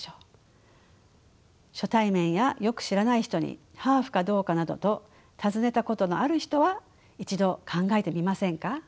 初対面やよく知らない人にハーフかどうかなどと尋ねたことのある人は一度考えてみませんか。